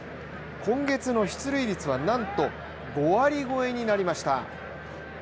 今月の出塁率はなんと５割超えになりました。